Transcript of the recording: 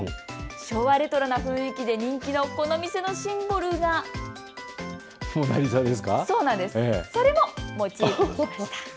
昭和レトロな雰囲気で人気のこの店のシンボルがモナリザです。